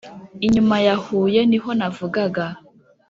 Inyuma ya Huye ni ho navugaga.